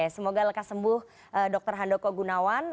semoga lekas sembuh dr handoko gunawan